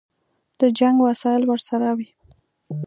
د جنګ وسایل ورسره وي.